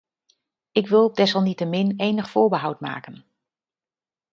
Ik wil desalniettemin enig voorbehoud maken.